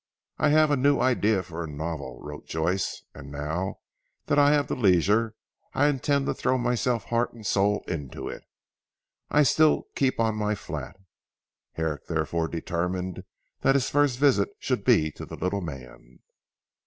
"I have a new idea for a novel," wrote Joyce, "and now that I have the leisure, I intend to throw myself heart and soul into it. I still keep on my flat." Herrick therefore determined that his first visit should be to the little man.